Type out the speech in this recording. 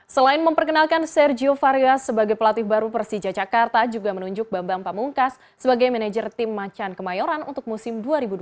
selain memperkenalkan sergio varias sebagai pelatih baru persija jakarta juga menunjuk bambang pamungkas sebagai manajer tim macan kemayoran untuk musim dua ribu dua puluh